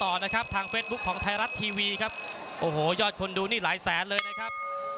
ต่อนะครับทางเฟซบุ๊คของไทยรัฐทีวีครับโอ้โหยอดคนดูนี่หลายแสนเลยนะครับ